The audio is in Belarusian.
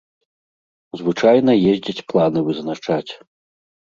Звычайна ездзяць планы вызначаць.